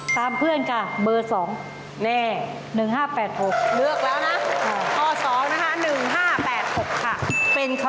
ตามเพื่อนก่ะมันเป็นเบอร์๒